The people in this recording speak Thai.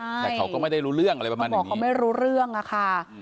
แต่เขาก็ไม่ได้รู้เรื่องอะไรประมาณนี้อ๋อเขาไม่รู้เรื่องอะค่ะ